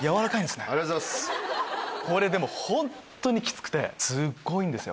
これでもホンットにキツくてすっごいんですよ。